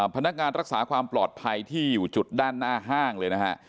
พนักงานรักษาความปลอดภัยที่อยู่จุดด้านหน้าห้างเลยนะฮะ